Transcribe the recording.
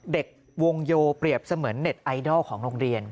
เด็กวงโยเปรียบเสมือนเน็ตไอดอลของโรงเรียน